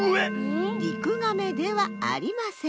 リクガメではありません。